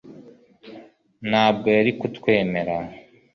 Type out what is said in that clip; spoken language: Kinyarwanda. ntabwo yari kutwemera